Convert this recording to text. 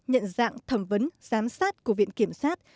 nhận dạng thẩm vấn giám sát của viện kiểm sát